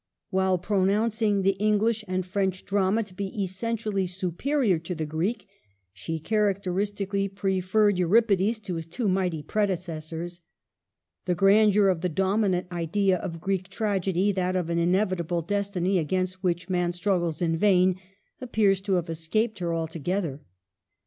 While pronouncing the Eng lish and French drama to be essentially superior to the Greek, she characteristically preferred Euripides to his two mighty predecessors. The grandeur of the dominant idea of Greek tragedy '— that, of an inevitable destiny, against which man struggles in vain — appears to have escaped her altogether.